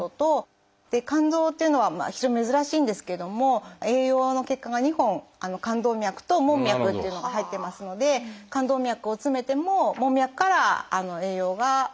肝臓というのは非常に珍しいんですけども栄養の血管が２本肝動脈と門脈っていうのが入ってますので肝動脈を詰めても門脈から栄養が供給されるということになります。